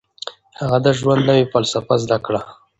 هغه د ژوند نوې فلسفه زده کړه.